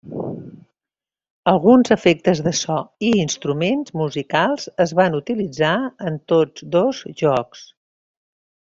Alguns efectes de so i instruments musicals es van utilitzar en tots dos jocs.